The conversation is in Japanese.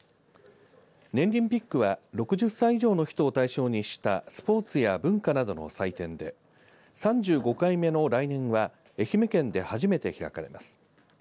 ねんりんピックは６０歳以上の人を対象にしたスポーツや文化などの祭典で３５回目の来年は愛媛県で初めて開かれます。